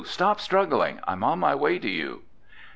Stop struggling! I'm on my way to you!"